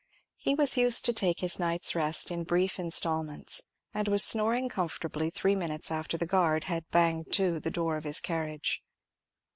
He was used to take his night's rest in brief instalments, and was snoring comfortably three minutes after the guard had banged to the door of his carriage.